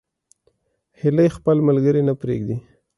هیلۍ خپل ملګري نه پرېږدي